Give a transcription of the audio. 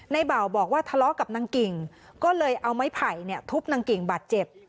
เบาบอกว่าทะเลาะกับนางกิ่งก็เลยเอาไม้ไผ่ทุบนางกิ่งบาดเจ็บ